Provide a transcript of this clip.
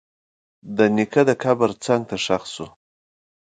د نیکه قبر څنګ ته ښخ شو.